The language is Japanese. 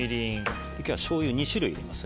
今日はしょうゆを２種類入れます。